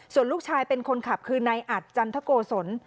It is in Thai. ส่วนลูกชายเป็นคนขับคือนายอัดจันทโกศล